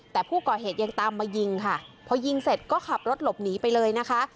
แต่ผู้ก่อเหตุยังตามมายิงค่ะพอยิงเสร็จก็ขับรถหลบหนีไปเลยนะคะ